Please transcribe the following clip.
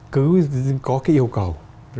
cứ có cái yêu cầu